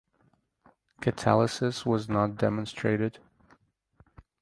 Catalysis was not demonstrated.